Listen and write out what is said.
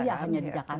iya hanya di jakarta